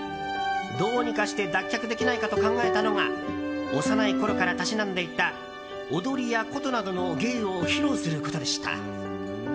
どうにかして脱却できないかと考えたのが幼いころからたしなんでいた踊りや琴などの芸を披露することでした。